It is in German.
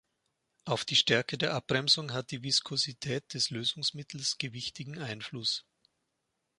Auf die Stärke der Abbremsung hat die Viskosität des Lösungsmittels gewichtigen Einfluss.